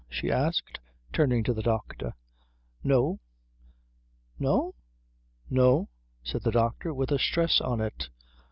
she asked, turning to the doctor. "No." "No?" "No," said the doctor, with a stress on it.